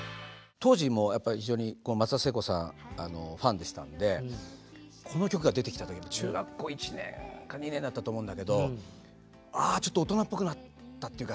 当時もやっぱり非常に松田聖子さんファンでしたんでこの曲が出てきた時中学校１年か２年だったと思うんだけどちょっと大人っぽくなったっていうか